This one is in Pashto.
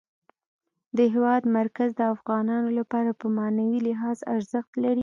د هېواد مرکز د افغانانو لپاره په معنوي لحاظ ارزښت لري.